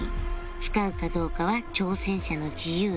使うかどうかは挑戦者の自由だが